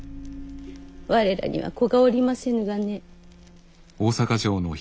我らには子がおりませぬがね。